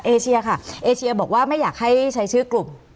เอเชียค่ะเอเชียบอกว่าไม่อยากให้ใช้ชื่อกลุ่ม